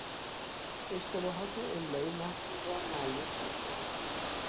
اشتباهات املایی متن را معیوب میکند.